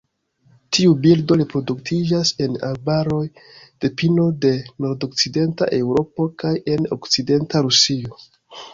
Tiu birdo reproduktiĝas en arbaroj de pino de nordokcidenta Eŭropo kaj en okcidenta Rusio.